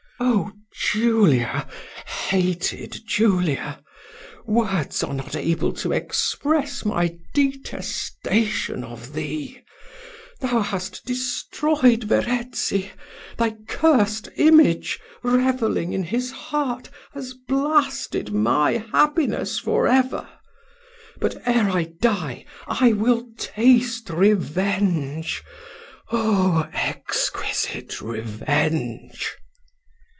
"Oh! Julia! hated Julia! words are not able to express my detestation of thee. Thou hast destroyed Verezzi thy cursed image, revelling in his heart, has blasted my happiness for ever; but, ere I die, I will taste revenge oh! exquisite revenge!"